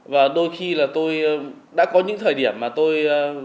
và đôi khi là tôi đã có những thời điểm mà tôi